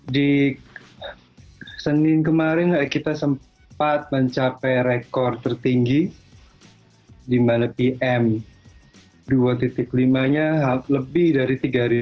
di senin kemarin kita sempat mencapai rekor tertinggi di mana pm dua lima nya lebih dari tiga